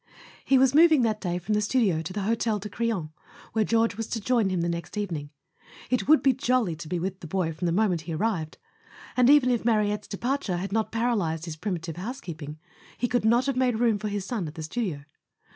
He was moving that day from the studio to the Hotel de Crillon, where George was to join him the next eve¬ ning. It would be jolly to be with the boy from the moment he arrived; and, even if Marie tte's departure had not paralyzed his primitive housekeeping, he could not have made room for his son at the studio.